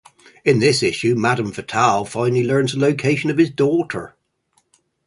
In this issue Madame Fatal finally learns the location of his daughter.